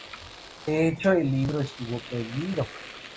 De hecho, el libro estuvo prohibido.